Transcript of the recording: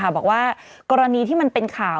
บอกว่ากรณีที่มันเป็นข่าว